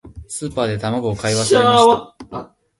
スーパーで卵を買い忘れました。